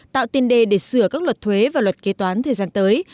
tạo tiền đề để sửa các luật thuế và luật kế toán thời gian tới